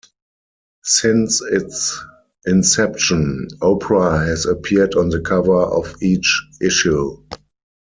Since its inception, Oprah has appeared on the cover of each issue.